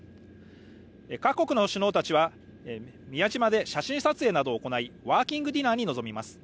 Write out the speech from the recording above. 各国の首脳たちは宮島で写真撮影などを行いワーキングディナーに臨みます。